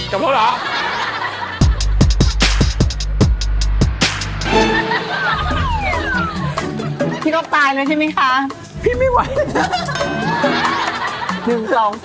กลับแล้วเหรอ